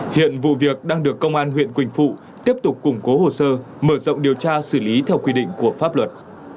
hiện vụ việc đang được công an huyện quỳnh phụ tiếp tục củng cố hồ sơ mở rộng điều tra xử lý theo quy định của pháp luật